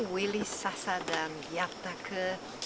willy sasa dan yatna ke